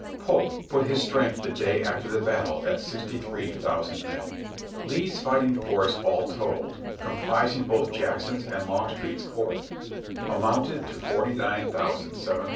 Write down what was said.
Pope put his strength the day after the battle at sixty three thousand men. Lee's fighting force all told, comprising both Jackson's and Long street's corps, amounted to forty nine thousand and seventy seven men.